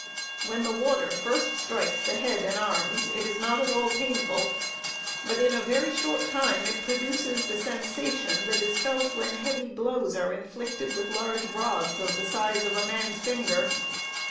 When the water first strikes the head and arms, it is not at all painful; but in a very short time, it produces the sensation that is felt when heavy blows are inflicted with large rods, of the size of a man's finger.